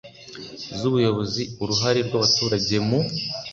z ubuyobozi uruhare rw abaturage mu